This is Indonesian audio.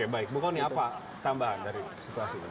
bukau ini apa tambahan dari situasi itu